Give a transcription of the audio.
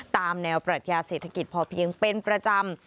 ตามแนวปรัชญาเศรษฐกิจพอเพียงเป็นประจำ